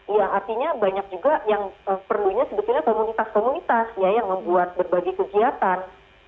ya artinya banyak juga yang perlunya komunitas komunitas yang membuat berbagai kegiatan